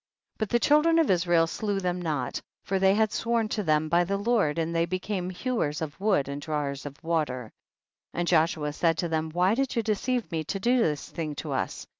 52. But the children of Israel slew them not ; for they had sworn to them by the Lord, and they became hew ers of wood and drawers of water. 53. And Joshua said to them, why did you deceive me, to do this thing to us?